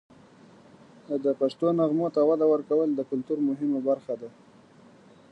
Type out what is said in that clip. د پښتو نغمو ته وده ورکول د کلتور مهمه برخه ده.